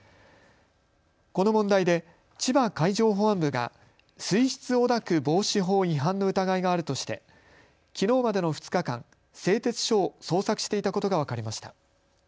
この問題で千葉海上保安部が水質汚濁防止法違反の疑いがあるとして、きのうまでの２日間製鉄所を捜索していたことが分かりました。